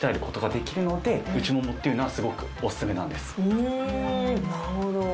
うんなるほど。